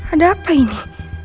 ada apa ini